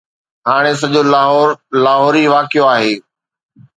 هاڻي سڄو لاهور، لاهور ئي واقعو آهي